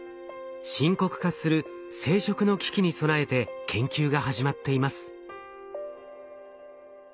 深刻化する生殖の危機に備えて研究が始まっています。